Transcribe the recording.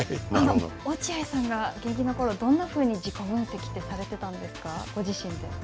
落合さんが現役のころ、どんなふうに自己分析ってされてたんですか、ご自身で。